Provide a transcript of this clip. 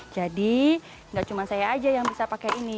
jadi tidak cuma saya saja yang bisa pakai ini